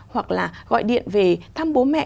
hoặc là gọi điện về thăm bố mẹ